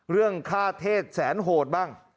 เรื่องฆ่าเทศแสนโหดบ้าง